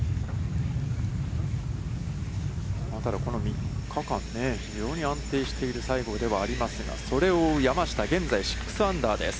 ３日間、非常に安定している西郷ではありますが、それを追う山下、現在６アンダーです。